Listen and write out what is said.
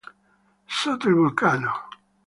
Sotto il vulcano